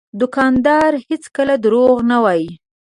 دوکاندار هېڅکله دروغ نه وایي.